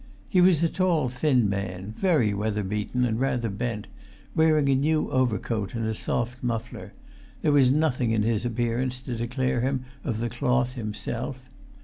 He was a tall thin man, very weather beaten and rather bent, wearing[Pg 364] a new overcoat and a soft muffler; there was nothing in his appearance to declare him of the cloth himself.